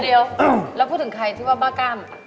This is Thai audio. แล้วพูดถึงใครที่ว่าบ้ากล้าม